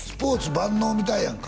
万能みたいやんか